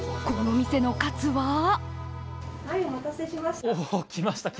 この店のカツは？